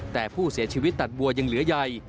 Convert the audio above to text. แต่ผู้เสียชีวิตตัดบัวยังเหลือใหญ่